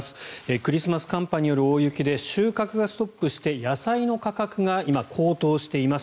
クリスマス寒波による大雪で収穫がストップして野菜の価格が今、高騰しています。